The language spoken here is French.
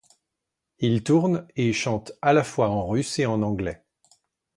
Il tourne et chante à la fois en russe et en anglais.